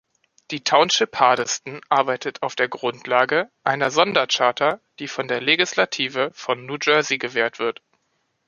Die Township Hardyston arbeitet auf der Grundlage einer Sondercharta, die von der Legislative von New Jersey gewährt wird.